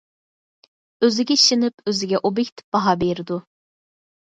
ئۆزىگە ئىشىنىپ، ئۆزىگە ئوبيېكتىپ باھا بېرىدۇ.